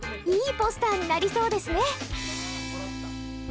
いいポスターになりそうですね。